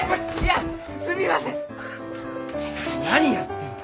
何やってんだ？